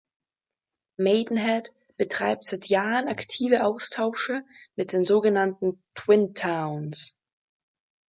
Maidenhead betreibt seit Jahren aktive Austausche mit den sogenannten „Twin Towns“.